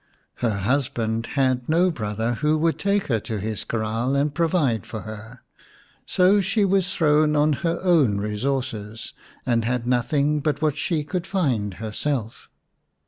Her husband had no brother who would take her to his kraal and provide for her, so she was thrown on her own resources, and had nothing but what she could find herself.